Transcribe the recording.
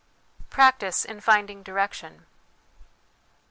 Practice in finding Direction.